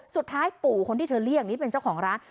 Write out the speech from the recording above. สุดท้ายปู่คนที่เธอเรียกนี่เป็นเจ้าของร้าน